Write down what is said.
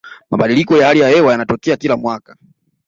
mabadiliko ya hali ya hewa yanatokea kila mwaka